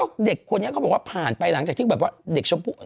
แล้วเด็กคนนี้เขาบอกว่าผ่านไปหลังจากที่แบบว่าเด็กชมพู่